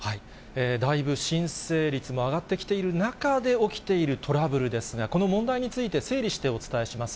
だいぶ申請率も上がってきている中で起きているトラブルですが、この問題について、整理してお伝えします。